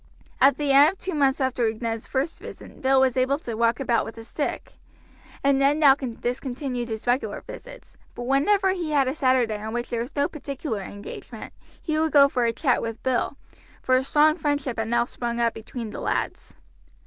At the end of two months after Ned's first visit Bill was able to walk about with a stick, and Ned now discontinued his regular visits; but whenever he had a Saturday on which there was no particular engagement he would go for a chat with Bill, for a strong friendship had now sprung up between the lads.